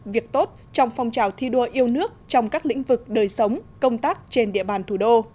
việc tốt trong phong trào thi đua yêu nước trong các lĩnh vực đời sống công tác trên địa bàn thủ đô